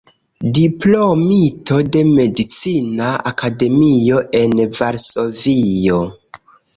Diplomito de Medicina Akademio en Varsovio.